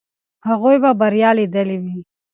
هغوی به بریا لیدلې وي.